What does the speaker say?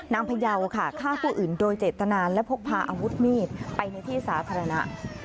พยาวค่ะฆ่าผู้อื่นโดยเจตนาและพกพาอาวุธมีดไปในที่สาธารณะ